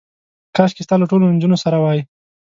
کاشکې ستا له ټولو نجونو سره وای.